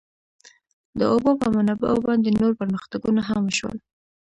د اوبو په منابعو باندې نور پرمختګونه هم وشول.